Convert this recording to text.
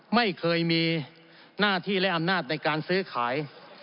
ไม่เคยมีหน้าที่และอำนาจในการซื้อขาย